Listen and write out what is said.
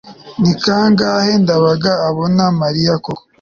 ni kangahe ndabaga abona mariya koko